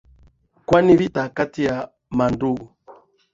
Kwani vita kati ya mandugu.